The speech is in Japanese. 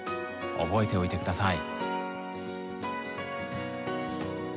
覚えておいて下さい。